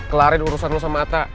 kelarin urusan lo sama ata